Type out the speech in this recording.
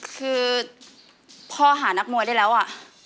คือพ่อหานักมวยได้แล้วอ่ะ